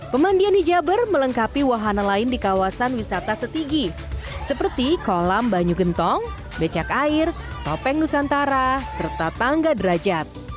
pemandian hijaber melengkapi wahana lain di kawasan wisata setigi seperti kolam banyu gentong becak air topeng nusantara serta tangga derajat